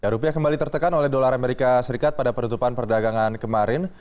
rupiah kembali tertekan oleh dolar amerika serikat pada penutupan perdagangan kemarin